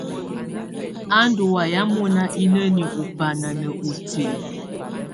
Á ndù wayɛ̀á mɔ̀na inǝ́niǝ́ ù fana nà utilǝ.